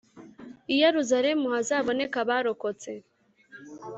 i Yeruzalemu hazaboneke abarokotse,